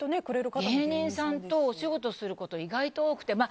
芸人さんとお仕事すること意外と多くて。